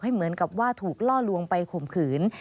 เหมือนกับว่าถูกล่อลวงไปข่มขืน